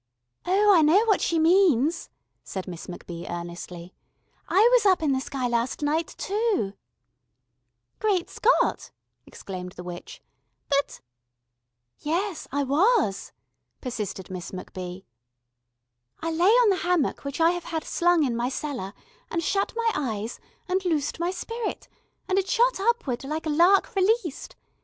"Oh, I know what she means," said Miss MacBee earnestly. "I was up in the sky last night too " "Great Scott," exclaimed the witch. "But " "Yes, I was," persisted Miss MacBee. "I lay on the hammock which I have had slung in my cellar, and shut my eyes, and loosed my spirit, and it shot upward like a lark released.